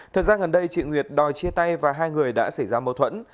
thật ra gần đây chị nguyệt đòi chia tay và hai người đã xảy ra mâu thuẫn